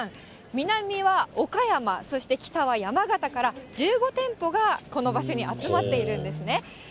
南は岡山、そして北は山形から、１５店舗がこの場所に集まっているんですね。